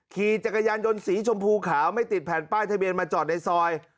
ขี่จักรยานยนต์สีชมพูขาวไม่ติดแผ่นป้ายทะเบียนมาจอดในซอย